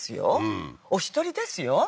うんお一人ですよ